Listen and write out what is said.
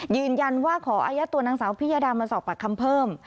ยืนยันว่าขออายัดตัวนางสาวพิยดามาสอบปากคำเพิ่ม